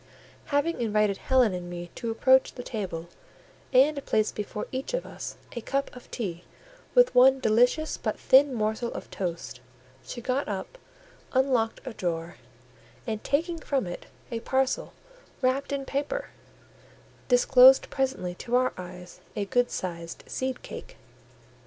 Having invited Helen and me to approach the table, and placed before each of us a cup of tea with one delicious but thin morsel of toast, she got up, unlocked a drawer, and taking from it a parcel wrapped in paper, disclosed presently to our eyes a good sized seed cake.